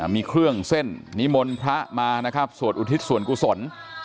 มีเครื่องเส้นนิมนต์พระมานะครับสวดอุทิศส่วนกุศล